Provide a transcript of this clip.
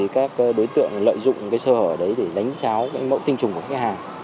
các đối tượng lợi dụng sơ hở để đánh tráo mẫu tinh trùng của khách hàng